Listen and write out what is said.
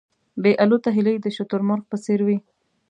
بې الوته هیلۍ د شتر مرغ په څېر وې.